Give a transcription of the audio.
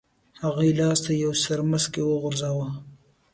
هغې لاس ته یو څرمښکۍ وغورځاوه.